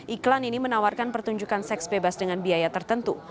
iklan ini menawarkan pertunjukan seks bebas dengan biaya tertentu